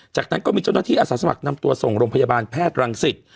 จากนั้นก็มีเจ้าหน้าที่อาสาสมัครนำตัวส่งโรงพยาบาลแพทย์รังสิต